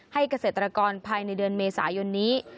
เกษตรกรภายในเดือนเมษายนนี้